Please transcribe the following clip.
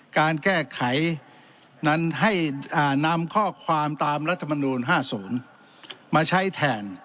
การแก้ไขนั้นให้อ่านำข้อความตามรัฐมนูญห้าศูนย์มาใช้แทน